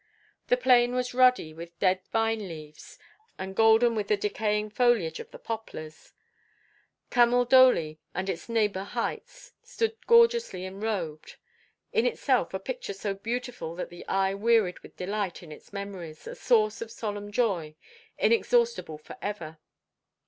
The plain was ruddy with dead vine leaves, and golden with the decaying foliage of the poplars; Camaldoli and its neighbour heights stood gorgeously enrobed. In itself, a picture so beautiful that the eye wearied with delight; in its memories, a source of solemn joy, inexhaustible for ever.